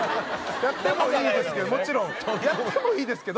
やってもいいですけどもちろんやってもいいですけど。